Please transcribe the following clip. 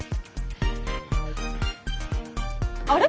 あれ？